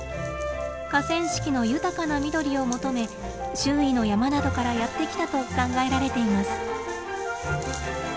河川敷の豊かな緑を求め周囲の山などからやって来たと考えられています。